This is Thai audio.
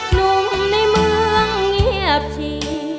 หนุ่มในเมืองเงียบจริง